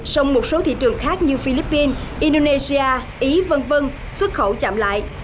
trong một số thị trường khác như philippines indonesia ý v v xuất khẩu chạm lại